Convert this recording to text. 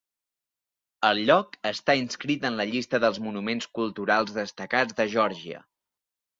El lloc està inscrit en la llista dels monuments culturals destacats de Geòrgia.